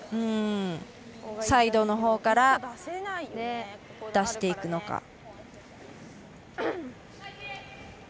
サイドのほうから出していくのか。